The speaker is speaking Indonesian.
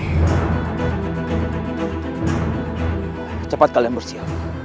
kecepatan kalian bersih